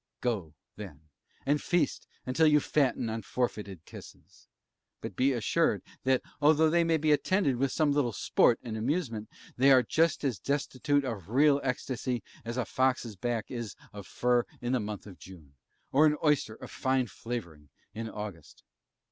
Go, then, and feast till you fatten on forfeited kisses; but be assured that, although they may be attended with some little sport and amusement, they are just as destitute of real ecstacy as a fox's back is of fur in the month of June, or an oyster of fine flavour in August.